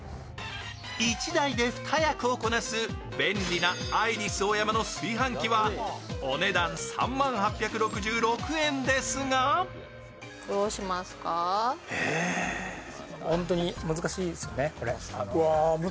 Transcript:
１台で２役をこなす便利なアイリスオーヤマの炊飯器はお値段３万８６６円ですがＴ−ｆａｌ。